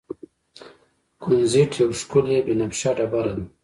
کونزیټ یوه ښکلې بنفشه ډبره ده.